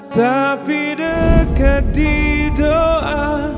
tapi dekat di doa